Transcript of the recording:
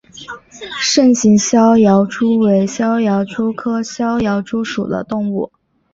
肾形逍遥蛛为逍遥蛛科逍遥蛛属的动物。